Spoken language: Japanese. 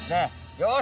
よし！